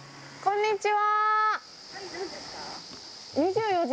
こんにちは。